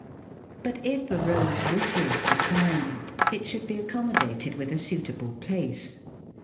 But if a Rose wishes to climb, it should be accommodated with a suitable place.